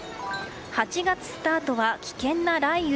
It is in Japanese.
８月スタートは危険な雷雨。